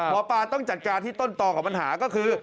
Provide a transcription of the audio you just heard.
หมอปลาต้องจัดการที่ต้นต่อของปัญหาก็คือ